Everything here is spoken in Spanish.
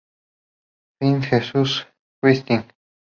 Find Jesus Christ.